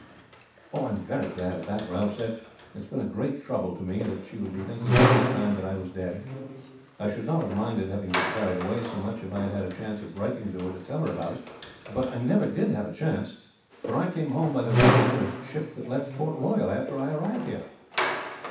"I am very glad of that," Ralph said. "It has been a great trouble to me that she would be thinking all this time that I was dead. I should not have minded having been carried away so much if I had had a chance of writing to her to tell her about it; but I never did have a chance, for I came home by the very first ship that left Port Royal after I arrived there."